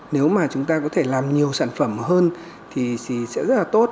nếu mà chúng ta có thể làm nhiều sản phẩm hơn thì sẽ rất là tốt